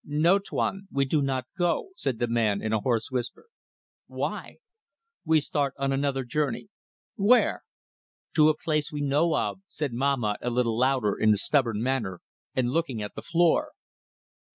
"No, Tuan. We do not go," said the man, in a hoarse whisper. "Why?" "We start on another journey." "Where?" "To a place we know of," said Mahmat, a little louder, in a stubborn manner, and looking at the floor.